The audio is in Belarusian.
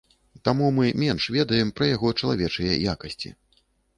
Таму мы менш ведаем пра яго чалавечыя якасці.